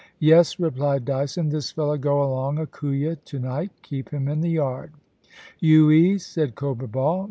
* Yes,' replied Dyson ;* this fellow go along a Kooya to night Keep him in the yard' *Youi,'t said Cobra Ball.